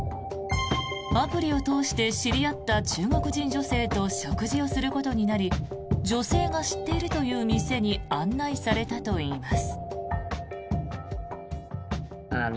アプリを通して知り合った中国人女性と食事をすることになり女性が知っているという店に案内されたといいます。